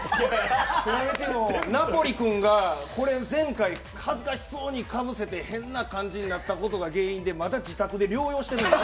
ナポリ君が前回、恥ずかしそうにかぶせて変な感じになったことが原因でまだ自宅で療養してるんですよ。